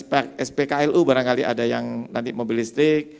kesehatan dan juga spklu barangkali ada yang nanti mobil listrik